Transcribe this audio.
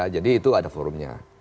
jadi itu ada forumnya